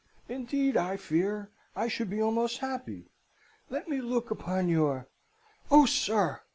Indeed, I fear, I should be almost happy! Let them look upon your ' "'Oh, sir!'